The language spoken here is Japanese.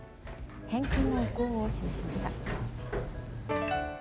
返金の意向を示しました。